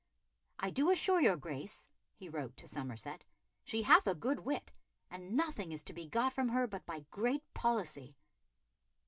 "I do assure your Grace," he wrote to Somerset, "she hath a good wit, and nothing is to be got from her but by great policy."